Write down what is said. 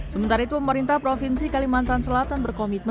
sementara itu pemerintah provinsi kalimantan selatan berkomitmen